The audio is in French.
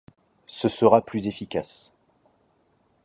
Ce sera plus efficace.